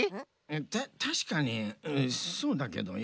たしかにそうだけどよう。